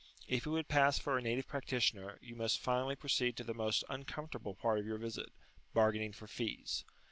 If you would pass for a native practitioner, you must finally proceed to the most uncomfortable part of your visit, bargaining for fees.